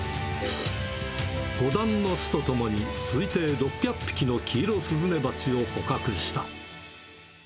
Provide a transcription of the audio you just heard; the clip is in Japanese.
５段の巣とともに、推定６００匹のキイロスズメバチを捕獲した。